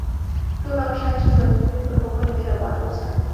ټول هغه شیان چې ژوندي وي پر هغوی مهربان اوسه.